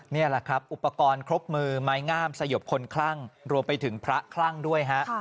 นี่แหละครับอุปกรณ์ครบมือไม้งามสยบคนคลั่งรวมไปถึงพระคลั่งด้วยฮะ